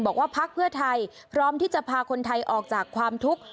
พักเพื่อไทยพร้อมที่จะพาคนไทยออกจากความทุกข์